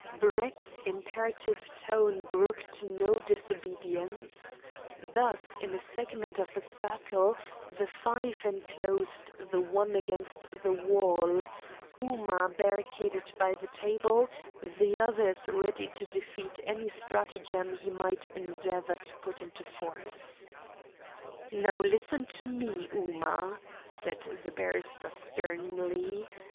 Brett's imperative tone brooked no disobedience. Thus, in a segment of a circle, the five enclosed the one against the wall Ooma barricaded by the table, the others ready to defeat any stratagem he might endeavour to put in force. "Now listen to me, Ooma," said the barrister sternly.